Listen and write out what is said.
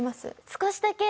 少しだけ。